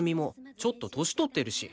ちょっと年取ってるし